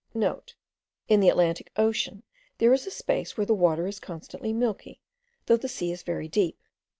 *(* In the Atlantic Ocean there is a space where the water is constantly milky, though the sea is very deep.